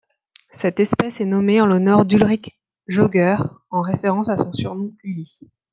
Cette espèce est nommée en l'honneur d'Ulrich Joger en référence à son surnom Uli.